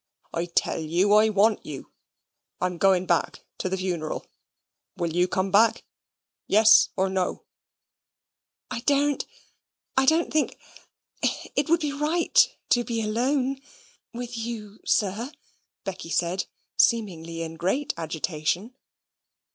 I tell you I want you. I'm going back to the Vuneral. Will you come back? Yes or no?" "I daren't I don't think it would be right to be alone with you, sir," Becky said, seemingly in great agitation.